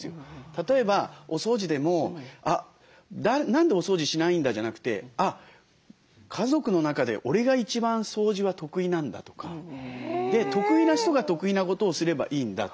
例えばお掃除でも「何でお掃除しないんだ」じゃなくて「家族の中で俺が一番掃除は得意なんだ」とか得意な人が得意なことをすればいいんだ。